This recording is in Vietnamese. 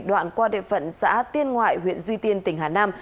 đoạn qua địa phận xã tiên ngoại huyện duy tiên tỉnh hà nam